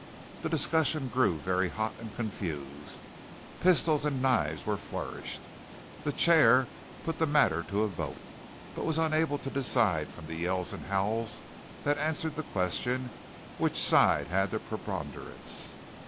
The discussion grew very hot and confused. Pistols and knives were flourished. The chair put the matter to a vote, but was unable to decide from the yells and howls that answered the question which side had the preponderance.